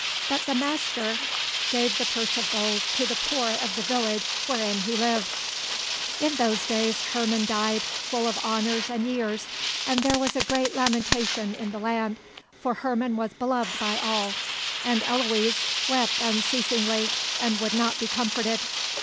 But the Master gave the purse of gold to the poor of the village wherein he lived. In those days Herman died, full of honors and years, and there was a great lamentation in the land, for Herman was beloved by all. And Eloise wept unceasingly and would not be comforted.